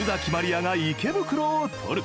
愛が池袋を撮る！